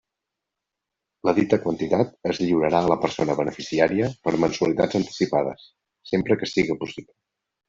La dita quantitat es lliurarà a la persona beneficiària per mensualitats anticipades, sempre que siga possible.